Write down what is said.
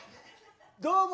どうも。